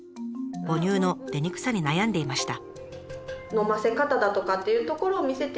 母乳の出にくさに悩んでいました。